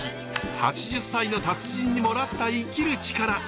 ８０歳の達人にもらった生きる力。